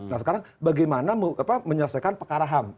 nah sekarang bagaimana menyelesaikan perkara ham